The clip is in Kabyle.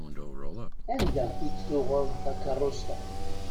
Anda i d-tuɣeḍ takerrust-a?